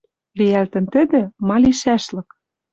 «Лиӓлтӹн тӹдӹ, ма лишӓшлык: